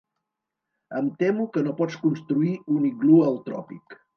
Em temo que no pots construir un iglú al tròpic.